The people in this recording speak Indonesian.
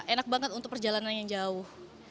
enak banget untuk perjalanan yang jauh